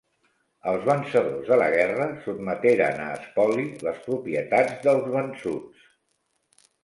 Els vencedors de la guerra sotmeteren a espoli les propietats dels vençuts.